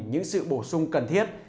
những sự bổ sung cần thiết